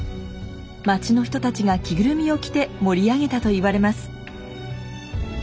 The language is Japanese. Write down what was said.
町の人たちが着ぐるみを着て盛り上げたといわれます。